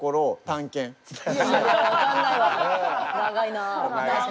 長いなあ。